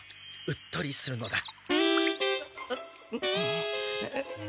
うっとりするのだ！